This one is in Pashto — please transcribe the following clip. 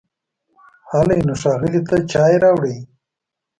هلی نو، ښاغلي ته چای راوړئ!